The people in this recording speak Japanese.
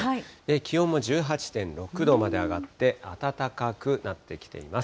気温も１８．６度まで上がって、暖かくなってきています。